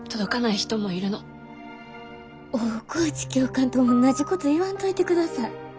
大河内教官とおんなじこと言わんといてください。